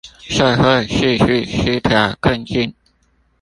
社會秩序失調困境